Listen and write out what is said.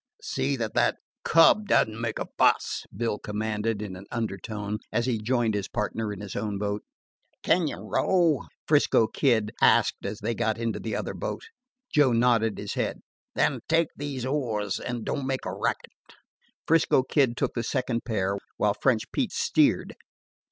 "See that that cub don't make a fuss," Bill commanded in an undertone, as he joined his partner in his own boat. "Can you row?" 'Frisco Kid asked as they got into the other boat. Joe nodded his head. "Then take these oars, and don't make a racket." 'Frisco Kid took the second pair, while French Pete steered.